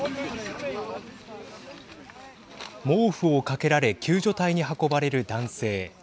毛布をかけられ救助隊に運ばれる男性。